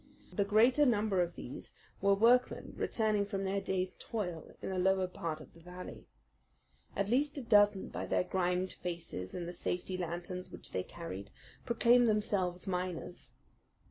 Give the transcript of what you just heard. The greater number of these were workmen returning from their day's toil in the lower part of the valley. At least a dozen, by their grimed faces and the safety lanterns which they carried, proclaimed themselves miners.